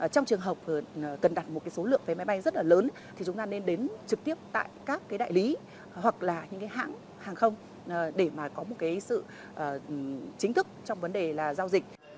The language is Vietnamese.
trong trường hợp cần đặt một cái số lượng vé máy bay rất là lớn thì chúng ta nên đến trực tiếp tại các cái đại lý hoặc là những cái hãng hàng không để mà có một cái sự chính thức trong vấn đề là giao dịch